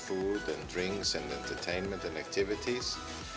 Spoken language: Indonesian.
kedua duanya dari makanan minuman dan aktivitas